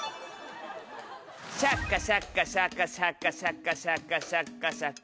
シャカシャカシャカシャカシャカシャカシャカシャカ。